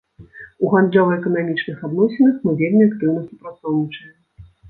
У гандлёва-эканамічных адносінах мы вельмі актыўна супрацоўнічаем.